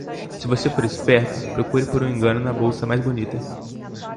Se você for esperto, procure por um engano na bolsa mais bonita.